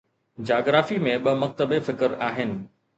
geography ۾ ٻه مکتب فڪر آهن